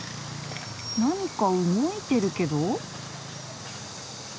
何か動いてるけど？